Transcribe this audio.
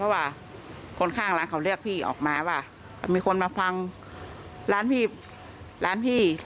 หลังห้องเช่าเองนะประมาณนั้น